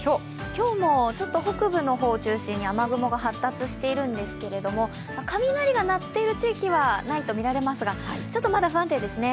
今日も北部の方中心に雨雲、発達してるんですけれども雷が鳴っている地域はないとみられますがまだ不安定ですね。